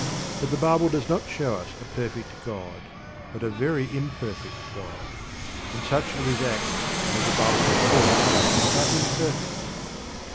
But the Bible does not show us a perfect God, but a very imperfect God, and such of His acts as the Bible records are imperfect.